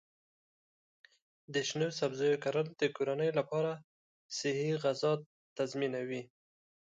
د شنو سبزیو کرل د کورنۍ لپاره صحي غذا تضمینوي.